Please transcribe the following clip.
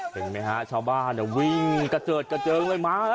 เห็นไหมฮะชาวบ้านวิ่งกระเจิดกระเจิงเลยมา